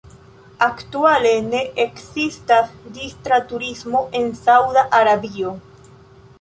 Aktuale ne ekzistas distra turismo en Sauda Arabio.